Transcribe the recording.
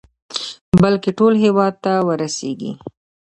بلكې ټول هېواد ته ورسېږي.